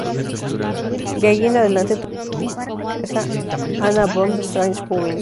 De ahí en adelante tuvo el título de Baronesa Anna von Strantz-Führing.